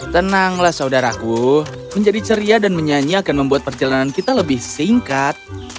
tenanglah saudaraku menjadi ceria dan menyanyi akan membuat perjalanan kita lebih singkat